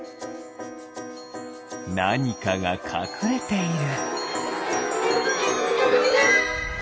なにかがかくれている。